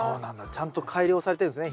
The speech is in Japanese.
ちゃんと改良されてるんですね